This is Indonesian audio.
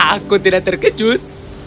aku tidak terkejut